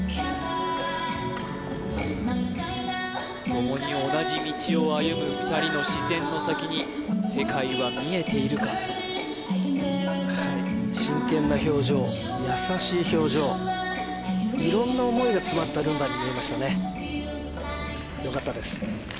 共に同じ道を歩む２人の視線の先に世界は見えているかはい真剣な表情優しい表情色んな思いが詰まったルンバに見えましたねよかったです